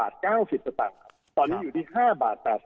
ตอนนี้อยู่ที่๕บาท๘๐สตรัง